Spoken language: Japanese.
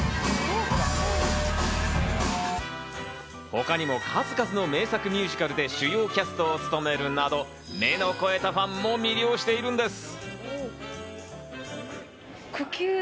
他にも数々の名作ミュージカルで主要キャストを務めるなど、目の肥えたファンも魅了しているんです。